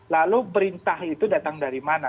lalu perintah itu datang dari mana